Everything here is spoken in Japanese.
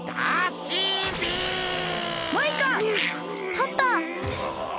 パパ！